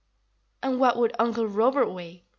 "And what would Uncle Robert weigh?"